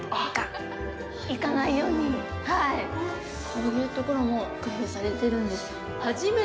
こういうところも工夫されているんです。